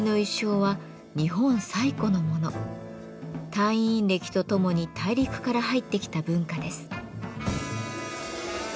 太陰暦とともに大陸から入ってきた文化です。